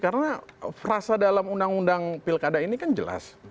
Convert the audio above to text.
karena perasa dalam undang undang pilkada ini kan jelas